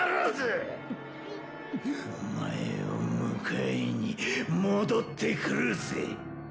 おまえを迎えに戻って来るぜッ！